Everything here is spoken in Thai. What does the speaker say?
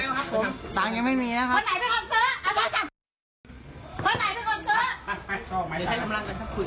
เอาของคุณตำรัยทำไมทำไมต้องซื้อหน่ายแจงให้กับใคร